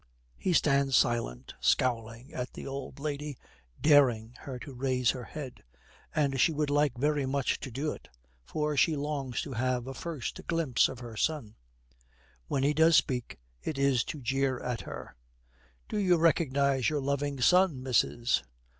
He stands silent, scowling at the old lady, daring her to raise her head; and she would like very much to do it, for she longs to have a first glimpse of her son. When he does speak, it is to jeer at her. 'Do you recognise your loving son, missis?'